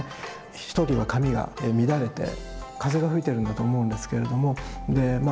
１人は髪が乱れて風が吹いてるんだと思うんですけれどもでまあ